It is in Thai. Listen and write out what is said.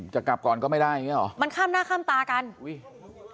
จะกลับก่อนก็ไม่ได้อย่างเงี้เหรอมันข้ามหน้าข้ามตากันอุ้ย